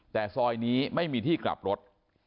แต่ซอยนี้ไม่มีที่กลับรถ